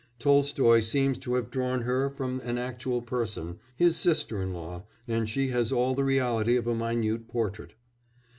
Tolstoy seems to have drawn her from an actual person his sister in law; and she has all the reality of a minute portrait.